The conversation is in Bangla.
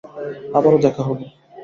আবারো দেখা হবে।